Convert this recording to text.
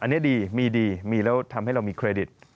อันนี้ดีมีดีมีแล้วทำให้เรามีเครดิต